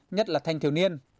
nhất là thanh thiếu niên